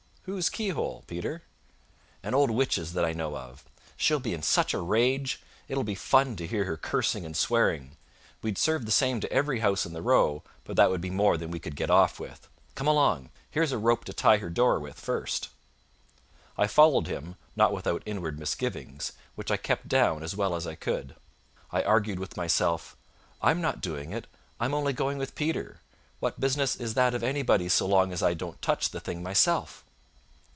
"Whose keyhole, Peter?" "An old witch's that I know of. She'll be in such a rage! It'll be fun to hear her cursing and swearing. We'd serve the same to every house in the row, but that would be more than we could get off with. Come along. Here's a rope to tie her door with first." I followed him, not without inward misgivings, which I kept down as well as I could. I argued with myself, "I am not doing it; I am only going with Peter: what business is that of anybody's so long as I don't touch the thing myself?"